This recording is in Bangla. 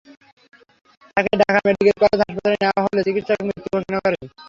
তাকে ঢাকা মেডিকেল কলেজ হাসপাতালে নেওয়া হলে চিকিৎসক মৃত ঘোষণা করেন।